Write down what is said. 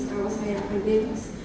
kalau saya akan bebas